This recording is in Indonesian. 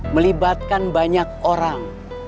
melibatkan banyak orang